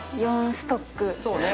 ４ストック。